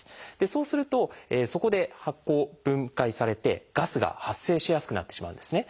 そうするとそこで発酵・分解されてガスが発生しやすくなってしまうんですね。